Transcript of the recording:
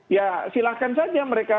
ya silahkan saja mereka